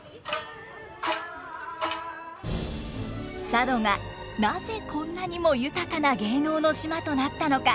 佐渡がなぜこんなにも豊かな芸能の島となったのか？